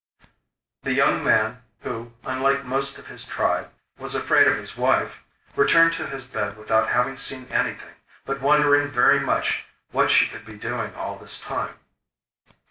The young man who, unlike most of his tribe, was afraid of his wife, returned to his bed without having seen anything, but wondering very much what she could be doing all this time.